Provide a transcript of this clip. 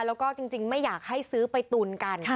แล้วก็จริงไม่อยากให้ซื้อไปตุนกัน